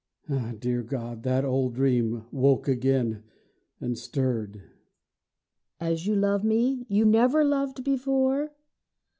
(Dear God, that old dream woke again and stirred.) WIFE As you love me, you never loved before?